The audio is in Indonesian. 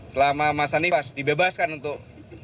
selama masa nifas dibebaskan untuk